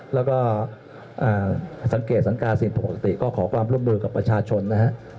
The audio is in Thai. แล้วก็สังเกตสัญกาศึกษาขอพฤมภ์กับประชาชนนะครับ